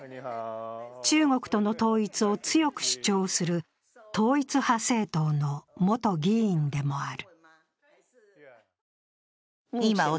中国との統一を強く主張する統一派政党の元議員でもある。